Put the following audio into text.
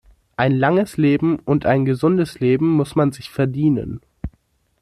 Ein langes Leben und ein gesundes Leben muss man sich verdienen.